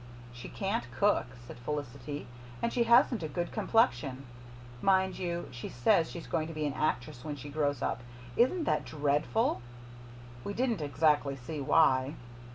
"She can't cook," said Felicity, "and she hasn't a good complexion. Mind you, she says she's going to be an actress when she grows up. Isn't that dreadful?" We didn't exactly see why.